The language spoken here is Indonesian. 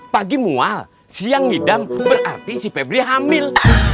pagi mual siang ngidam berarti si pebri hamil